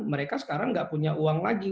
mereka sekarang nggak punya uang lagi